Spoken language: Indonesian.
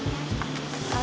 ini tuh coklat